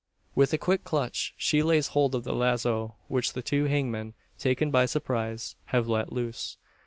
With a quick clutch she lays hold of the lazo; which the two hangmen, taken by surprise, have let loose.